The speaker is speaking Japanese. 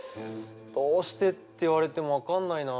どうしてって言われても分かんないな。